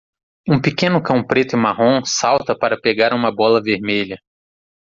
Um pequeno cão preto e marrom salta para pegar uma bola vermelha.